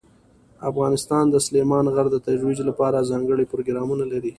افغانستان د سلیمان غر د ترویج لپاره ځانګړي پروګرامونه لري.